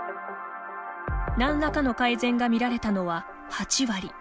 何らかの改善が見られたのは８割。